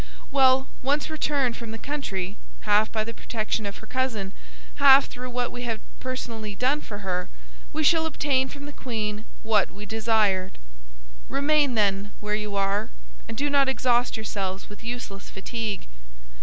Well, once returned from the country, half by the protection of her cousin, half through what we have personally done for her, we shall obtain from the queen what we desire. Remain, then, where you are, and do not exhaust yourselves with useless fatigue.